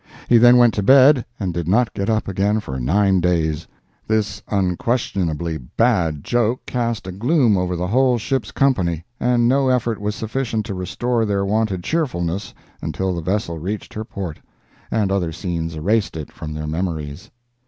He then went to bed, and did not get up again for nine days. This unquestionably bad joke cast a gloom over the whole ship's company, and no effort was sufficient to restore their wonted cheerfulness until the vessel reached her port, and other scenes erased it from their memories.